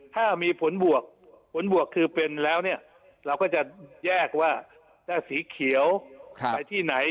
ถ้ามีผลบวกผลบวกคือเป็นแล้วเนี่ยเราก็จะแยกว่าถ้าสีเขียวไปที่ไหน